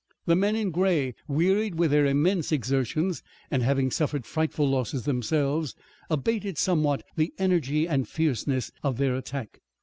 The men in gray, wearied with their immense exertions, and having suffered frightful losses themselves, abated somewhat the energy and fierceness of their attack.